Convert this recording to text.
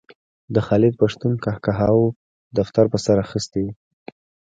د خالد پښتون قهقهاوو دفتر په سر اخیستی و.